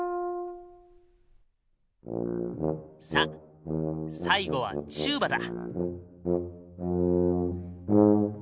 さあ最後はチューバだ。